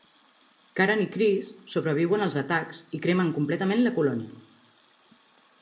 Karen i Chris sobreviuen als atacs i cremen completament la colònia.